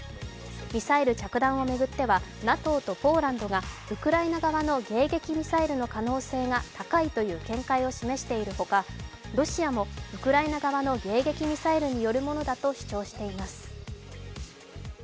ミサイル着弾を巡ってはＮＡＴＯとポーランドがウクライナ側の迎撃ミサイルの可能性が高いという見解を示しているほか、ロシアもウクライナ側の迎撃ミサイルによるものだと主張しています。